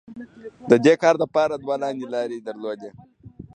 د دې کار لپاره دوی لاندې لارې درلودې.